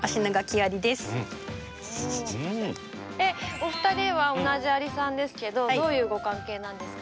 お二人は同じアリさんですけどどういうご関係なんですか？